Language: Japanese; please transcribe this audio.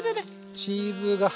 チーズが！